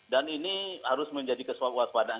dan ini harus menjadi kesuap kesuapan